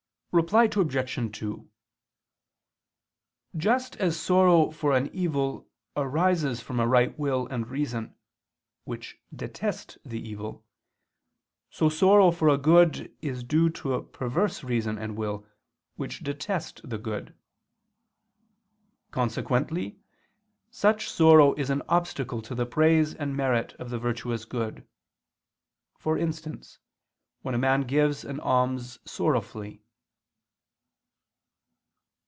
Reply Obj. 2: Just as sorrow for an evil arises from a right will and reason, which detest the evil, so sorrow for a good is due to a perverse reason and will, which detest the good. Consequently such sorrow is an obstacle to the praise and merit of the virtuous good; for instance, when a man gives an alms sorrowfully.